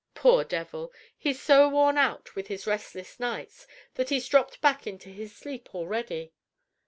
"Poor devil! he's so worn out with his restless nights that he's dropped back into his sleep already."